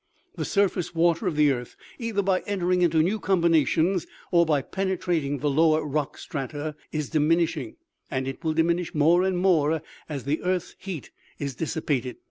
The surface water of the earth, either by entering into new combinations, or by penetrating the lower rock strata, is diminishing, and it will diminish more and more as the earth's heat is dissi pated.